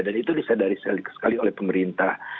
dan itu disadari sekali sekali oleh pemerintah